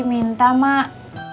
mau jatah mak